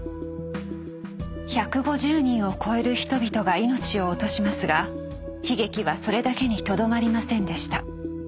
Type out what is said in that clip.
１５０人を超える人々が命を落としますが悲劇はそれだけにとどまりませんでした。